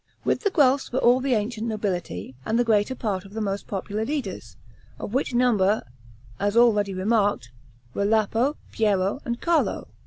With the Guelphs were all the ancient nobility, and the greater part of the most popular leaders, of which number, as already remarked, were Lapo, Piero, and Carlo.